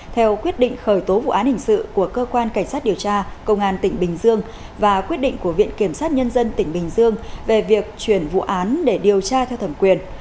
theo quyết định khởi tố vụ án hình sự của cơ quan cảnh sát điều tra công an tỉnh bình dương và quyết định của viện kiểm sát nhân dân tỉnh bình dương về việc chuyển vụ án để điều tra theo thẩm quyền